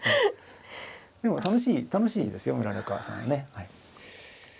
でも楽しいですよ村中さんね。